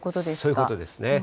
そういうことですね。